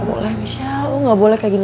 ah boleh michelle lo gak boleh kayak gini